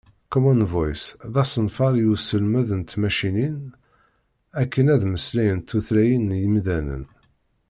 Common Voice d asenfar i uselmed n tmacinin akken ad mmeslayent tutlayin n yimdanen.